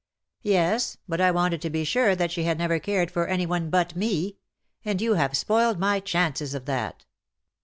" Yes, but I wanted to be sure that she had never cared for any one but me ; and you have spoiled my chances of that."